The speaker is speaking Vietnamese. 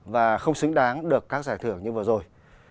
và không xứng đáng được các giải thưởng như vừa rồi